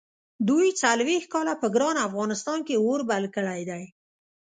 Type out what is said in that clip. دوی څلوېښت کاله په ګران افغانستان کې اور بل کړی دی.